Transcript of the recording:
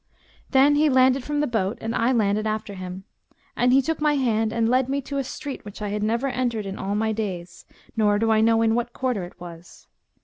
Then he landed from the boat and I landed after him: and he took my hand and led me to a street which I had never entered in all my days, nor do I know in what quarter it was.